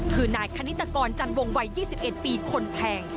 คือนายคณิตกรจันวงวัย๒๑ปีคนแทง